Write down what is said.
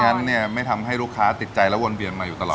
งั้นเนี่ยไม่ทำให้ลูกค้าติดใจและวนเวียนมาอยู่ตลอด